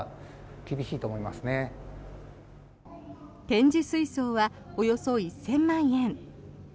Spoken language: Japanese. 展示水槽はおよそ１０００万円。